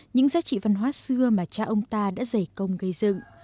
những giá trị văn hóa xưa mà cha ông ta đã dày công gây dựng